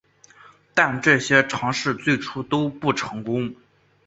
但这些尝试最初都不成功。